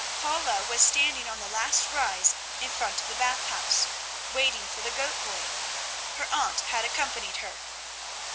Paula was standing on the last rise in front of the Bath House, waiting for the goat boy. Her aunt had accompanied her.